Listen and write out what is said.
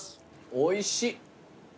おいしい。